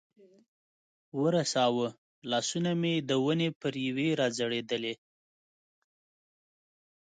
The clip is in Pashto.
ورساوه، لاسونه مې د ونې پر یوې را ځړېدلې.